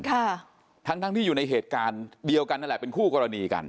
ค่ะทั้งทั้งที่อยู่ในเหตุการณ์เดียวกันนั่นแหละเป็นคู่กรณีกัน